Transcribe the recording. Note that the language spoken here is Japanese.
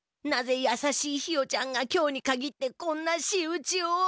なぜやさしいひよちゃんが今日にかぎってこんな仕打ちを。